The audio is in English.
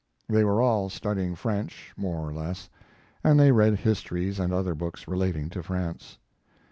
They were all studying French, more or less, and they read histories and other books relating to France.